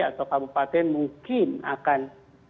atau kabupaten mungkin akan